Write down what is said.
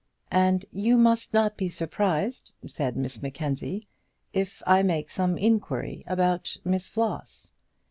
"And you must not be surprised," said Miss Mackenzie, "if I make some inquiry about Miss Floss."